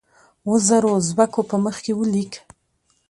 اوو زرو اوزبیکو په مخ کې ولیک.